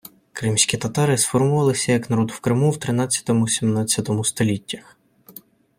Кримські татари сформувалися як народ в Криму в тринадцятому - сімнадцятому століттях.